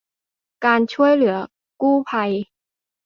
การช่วยเหลือกู้ภัย